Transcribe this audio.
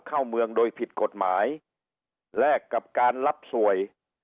เข้าเมืองโดยผิดกฎหมายแลกกับการรับสวย